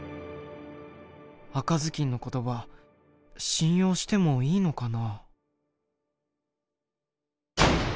赤ずきんの言葉信用してもいいのかな。